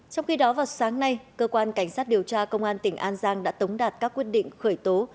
trong khi đó vào sáng nay cơ quan cảnh sát điều tra công an tỉnh an giang đã tống đạt các quyết định khởi tố